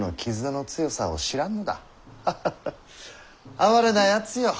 哀れなやつよ。